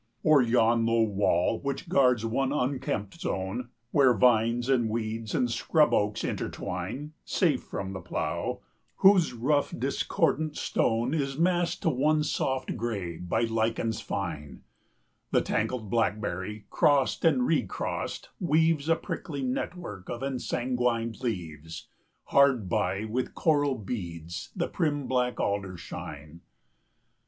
O'er yon low wall, which guards one unkempt zone, Where vines and weeds and scrub oaks intertwine Safe from the plough, whose rough, discordant stone 80 Is massed to one soft gray by lichens fine, The tangled blackberry, crossed and recrossed, weaves A prickly network of ensanguined leaves; Hard by, with coral beads, the prim black alders shine.